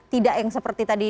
tidak yang seperti tadi